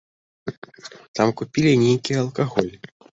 Там купілі нейкі алкаголь.